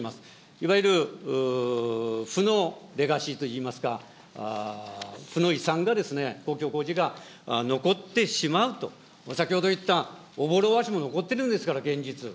いわゆる、負のレガシーといいますか、負の遺産が、公共工事が残ってしまうと、先ほど言った朧大橋も残ってるんですから、現実。